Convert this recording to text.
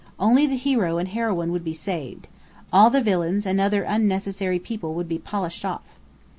Only the hero and heroine would be saved. All the villains and other unnecessary people would be polished off.